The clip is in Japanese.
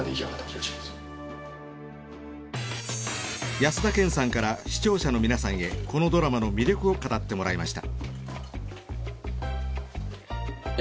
安田顕さんから視聴者の皆さんへこのドラマの魅力を語ってもらいました。